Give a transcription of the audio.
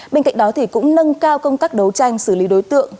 bên cạnh đó cũng nâng cao công tác đấu tranh xử lý đối tượng